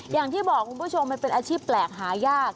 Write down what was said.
อย่างที่บอกคุณผู้ชมมันเป็นอาชีพแปลกหายาก